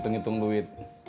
bapak mau ngasih lo thr ndin